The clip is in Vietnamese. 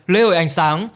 lễ hội ánh sáng